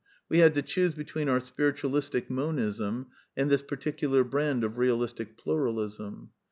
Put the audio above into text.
We had to choose between our Spiritualistic Monism and this par ticular brand of Bealistic Pluralism.